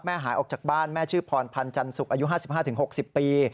หายออกจากบ้านแม่ชื่อพรพันธ์จันสุกอายุ๕๕๖๐ปี